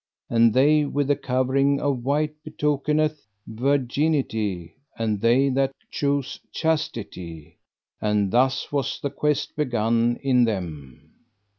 And they with the covering of white betokeneth virginity, and they that chose chastity. And thus was the quest begun in them.